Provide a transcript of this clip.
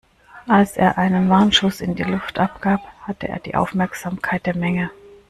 Als er einen Warnschuss in die Luft abgab, hatte er die Aufmerksamkeit der Menge.